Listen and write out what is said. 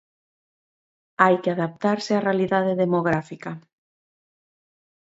Hai que adaptarse á realidade demográfica.